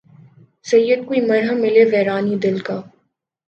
شاید کوئی محرم ملے ویرانئ دل کا